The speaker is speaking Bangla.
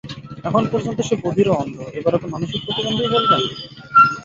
এখন পর্যন্ত সে বধির ও অন্ধ এবার ওকে মানসিক প্রতিবন্ধীও বলবেন।